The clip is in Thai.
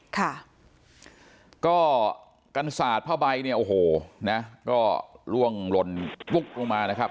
ค่ะก็กันสาดผ้าใบเนี่ยโอ้โหนะก็ล่วงหล่นปุ๊กลงมานะครับ